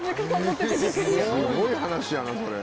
すごい話やなこれ。